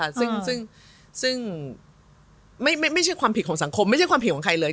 อะไรอย่างเงี้ยค่ะซึ่งไม่ใช่ความผิดของสังคมไม่ใช่ความผิดของใครเลย